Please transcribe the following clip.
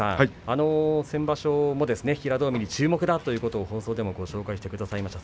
先場所も平戸海に注目だと放送でもご紹介してくださいました。